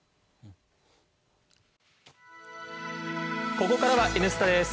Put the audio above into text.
ここからは「Ｎスタ」です。